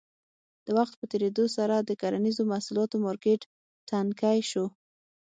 د وخت په تېرېدو سره د کرنیزو محصولاتو مارکېټ ټکنی شو.